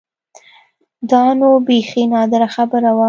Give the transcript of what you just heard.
دا نو بيخي نادره خبره وه.